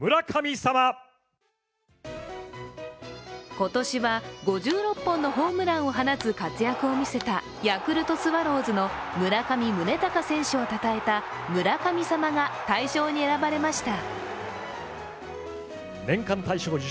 今年は５６本のホームランを放つ活躍を見せたヤクルトスワローズの村上宗隆選手をたたえた村神様が大賞に選ばれました。